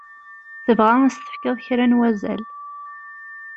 Tebɣa ad s-tefkeḍ kra n wazal.